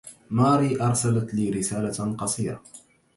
ماري أرسلت لي رسالة قصيرة.